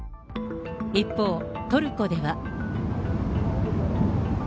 一方、トルコでは。